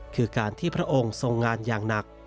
คือการที่พระองค์ทรงงานอย่างหนัก